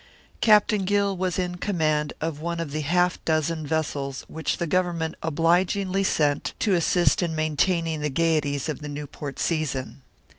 Captain Gill was in command of one of the half dozen vessels which the government obligingly sent to assist in maintaining the gaieties of the Newport season.